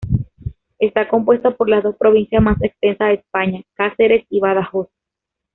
Está compuesta por las dos provincias más extensas de España: Cáceres y Badajoz.